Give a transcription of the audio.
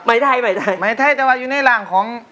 ไหมไทยไหมไทยแต่ว่าอยู่ในร่างของ